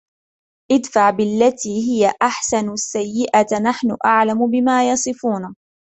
ادْفَعْ بِالَّتِي هِيَ أَحْسَنُ السَّيِّئَةَ نَحْنُ أَعْلَمُ بِمَا يَصِفُونَ